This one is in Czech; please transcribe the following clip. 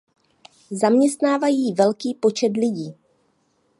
Zaměstnávají velký počet lidí.